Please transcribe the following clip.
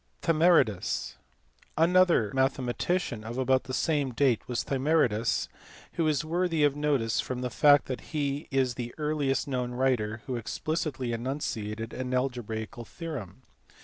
Thymaridas. Another mathematician of about the same date was Thymaridas, who is worthy of notice from the fact that he is the earliest known writer who explicitly enunciated an algebraical theorem.